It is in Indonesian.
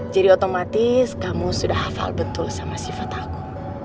otomatis kamu sudah hafal betul sama sifat aku